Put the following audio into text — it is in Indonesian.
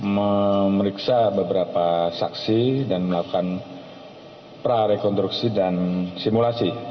memeriksa beberapa saksi dan melakukan prarekonstruksi dan simulasi